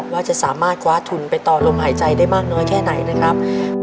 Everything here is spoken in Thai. ว่าจะสามารถคว้าทุนไปต่อลมหายใจได้มากน้อยแค่ไหนนะครับ